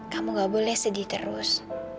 kamu gak boleh sedih terus